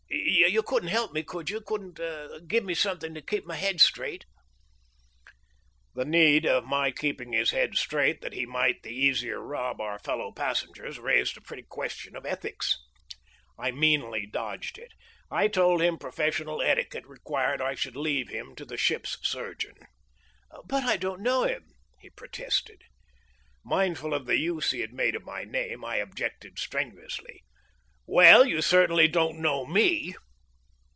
You couldn't help me, could you couldn't give me something to keep my head straight?" The need of my keeping his head straight that he might the easier rob our fellow passengers raised a pretty question of ethics. I meanly dodged it. I told him professional etiquette required I should leave him to the ship's surgeon. "But I don't know him," he protested. Mindful of the use he had made of my name, I objected strenuously: "Well, you certainly don't know me."